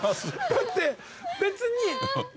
だって別に。